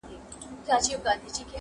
د حق د لېونیو نندارې ته ځي وګري!